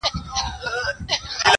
را معلوم به شیخه ستا هلته ایمان سي،